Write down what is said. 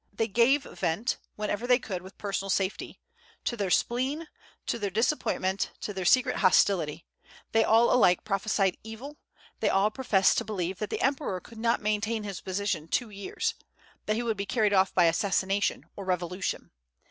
They gave vent, whenever they could with personal safety, to their spleen, to their disappointment, to their secret hostility; they all alike prophesied evil; they all professed to believe that the emperor could not maintain his position two years, that he would be carried off by assassination or revolution.